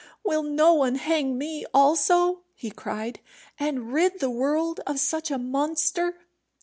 "Will no one hang me also," he cried, "and rid the world of such a monster?"